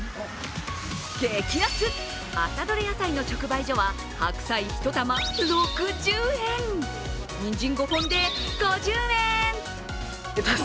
激安朝どれ野菜の直売所は白菜１玉６０円、にんじん５本で５０円！